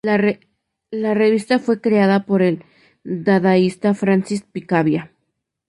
La revista fue creada por el dadaísta Francis Picabia.